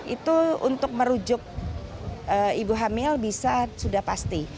itu untuk merujuk ibu hamil bisa sudah pasti